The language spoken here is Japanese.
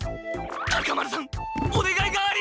タカ丸さんおねがいがあります！